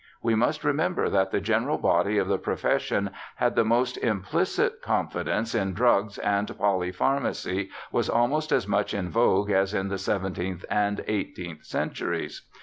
We must remember that the general body of the profession had the most implicit confidence in drugs, and pol}' pharmacy was almost as much in vogue as in the seventeenth and eighteenth centuries.